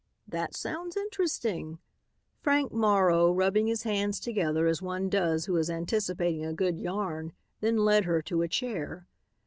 "That sounds interesting." Frank Morrow, rubbing his hands together as one does who is anticipating a good yarn, then led her to a chair.